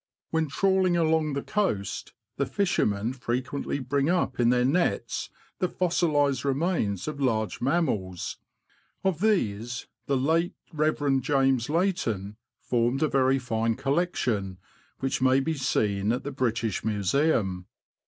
When trawling along the coast, the fishermen fre quently bring up in their nets the fossilised remains of large mammals ; of these, the late Rev. Jas. Layton formed a very fine collection, which may be seen at the British Museum.